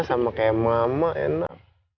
sama kayak mama enak